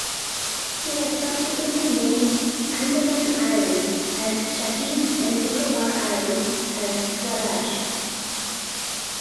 He had subsequently named Andaman Island as Shaheed and Nicobar Island as Swaraj.